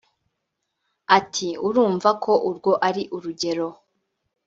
Ati” Urumva ko urwo ari urugero